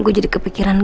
gue jadi kepikirannya